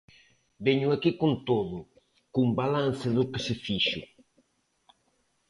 Veño aquí con todo, cun balance do que se fixo.